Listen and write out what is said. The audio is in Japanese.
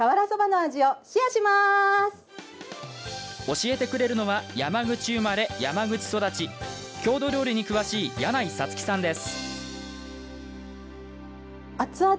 教えてくれるのは山口生まれ、山口育ち郷土料理に詳しい柳井さつきさんです。